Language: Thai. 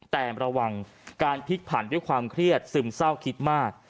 แต่ระวังการพลิกผันด้วยความเครียดซึมเศร้าคิดมาก